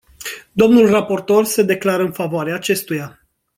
Domnul raportor se declară în favoarea acestuia.